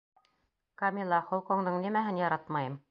Камила, холҡоңдоң нимәһен яратмайым?